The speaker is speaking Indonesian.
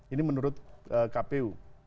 ini menurut kpu